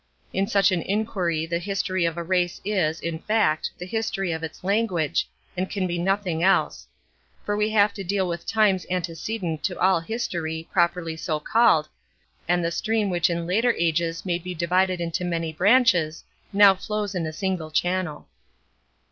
In such an inquiry the history of a race is, in fact, the history of its language, and can be nothing else; for we have to deal with times antecedent to all history, properly so called, and the stream which in later ages may be divided into many branches, now flows in a single channel.